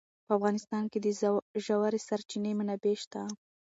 په افغانستان کې د ژورې سرچینې منابع شته.